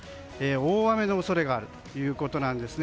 大雨の恐れがあるということなんです。